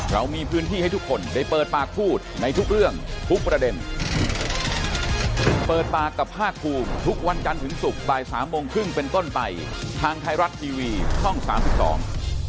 เรามีพื้นที่ให้ทุกคนได้เปิดปากพูดในทุกเรื่องทุกประเด็นเปิดปากกับภาคภูมิทุกวันจันทร์ถึงศุกร์บ่ายสามโมงครึ่งเป็นต้นไปทางไทยรัฐทีวีช่องสามสิบสอง